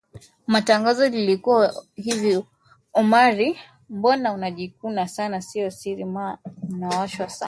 Tangazo lilikuwa hivi Omari mbona unajikuna sana sio siri mamaa ninawashwa sana ngwarariii ngwararaaa